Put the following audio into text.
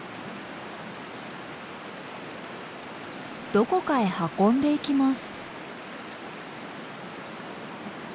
どこかへ運んでいきます。